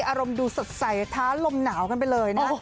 อารมณ์ดูสดใสท้าลมหนาวกันไปเลยนะ